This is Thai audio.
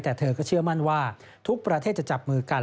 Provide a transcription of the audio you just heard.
แต่เธอก็เชื่อมั่นว่าทุกประเทศจะจับมือกัน